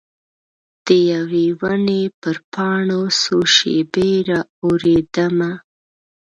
د یوي ونې پر پاڼو څو شیبې را اوریدمه